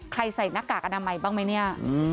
ใส่หน้ากากอนามัยบ้างไหมเนี่ย